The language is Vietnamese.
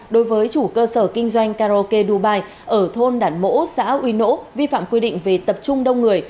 đối với chủ cơ sở kinh doanh karaoke dubai ở thôn đản mỗ xã uy nỗ vi phạm quy định về tập trung đông người